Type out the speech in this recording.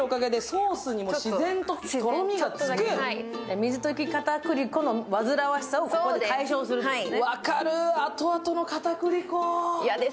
水溶き片栗粉の煩わしさをここで解消するというわけね。